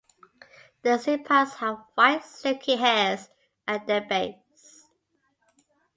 The sepals have white silky hairs at their base.